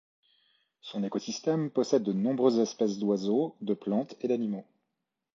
Son écosystème possède de nombreuses espèces d'oiseaux, de plantes et d'animaux.